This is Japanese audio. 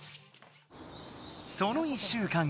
その１週間後。